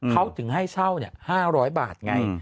เขาถึงให้เช่า๕๐๐บาทไง